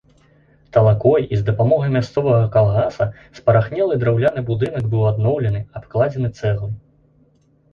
Талакой і з дапамогай мясцовага калгаса спарахнелы драўляны будынак быў адноўлены, абкладзены цэглай.